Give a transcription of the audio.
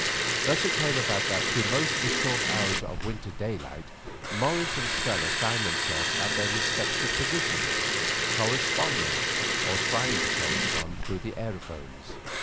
Thus it came about that through most of the short hours of winter daylight Morris and Stella found themselves at their respective positions, corresponding, or trying to correspond, through the aerophones.